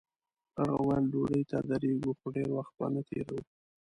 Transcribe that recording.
هغه ویل ډوډۍ ته درېږو خو ډېر وخت به نه تېروو.